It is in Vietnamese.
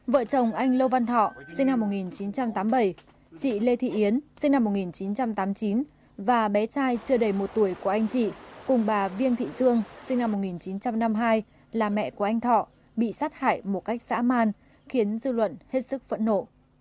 vợ chồng anh lô văn thọ sinh năm một nghìn chín trăm tám mươi bảy chị lê thị yến sinh năm một nghìn chín trăm tám mươi chín và bé trai chưa đầy một tuổi của anh chị cùng bà viên thị dương sinh năm một nghìn chín trăm năm mươi hai là mẹ của anh thọ bị sát hại một cách xã man khiến dư luận hết sức phẫn nộ